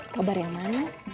kabar yang mana